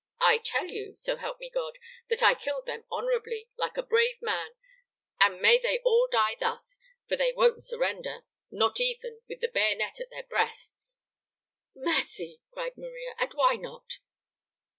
I tell you, so help me God, that I killed them honorably, like a brave man, and may they all die thus, for they won't surrender, not even with the bayonet at their breasts." "Mercy!" cried Maria, "and why not?"